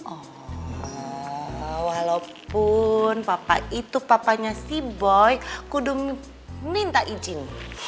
oh walaupun papa itu papanya sea boy kudu minta izin